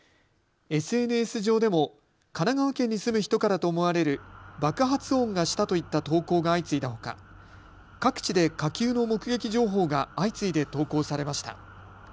ＳＮＳ上でも神奈川県に住む人からと思われる爆発音がしたといった投稿が相次いだほか各地で火球の目撃情報が相次いで投稿されました。